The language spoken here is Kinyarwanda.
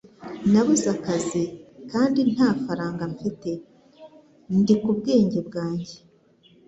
Nabuze akazi kandi nta faranga mfite. Ndi ku bwenge bwanjye.